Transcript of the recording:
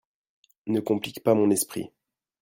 Ne compliques pas mon esprit.